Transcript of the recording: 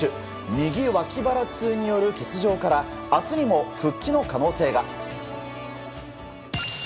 右脇腹痛による欠場から明日にも復帰の可能性が。